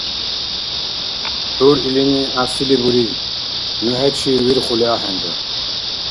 ГӀур илини гӀясили буриб: — Ну хӀечи вирхули ахӀенра!